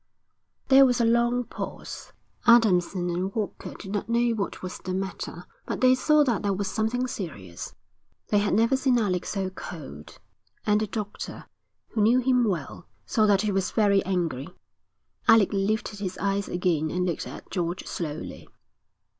There was a long pause. Adamson and Walker did not know what was the matter; but they saw that there was something serious. They had never seen Alec so cold, and the doctor, who knew him well, saw that he was very angry. Alec lifted his eyes again and looked at George slowly.